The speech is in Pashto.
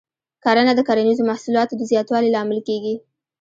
کرنه د کرنیزو محصولاتو د زیاتوالي لامل کېږي.